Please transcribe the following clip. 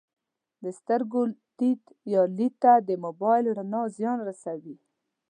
د سترګو دید یا لید ته د موبایل رڼا زیان رسوي